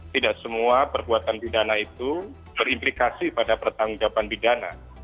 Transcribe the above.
tidak semua perbuatan pidana itu berimplikasi pada pertanggungjawaban pidana